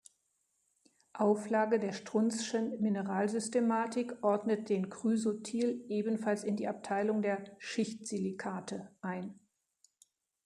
Auflage der Strunz’schen Mineralsystematik ordnet den Chrysotil ebenfalls in die Abteilung der „Schichtsilikate“ ein.